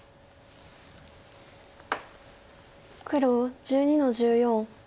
黒１２の十四。